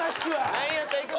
ないんやったら行くぞ。